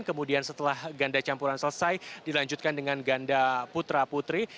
kemudian setelah ganda campuran selesai dilanjutkan dengan ganda putra putri